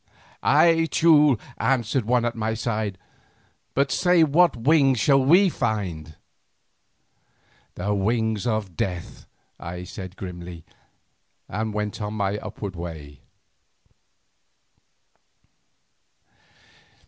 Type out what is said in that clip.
"Ay, Teule," answered one at my side, "but say what wings shall we find?" "The wings of Death," I said grimly, and went on my upward way.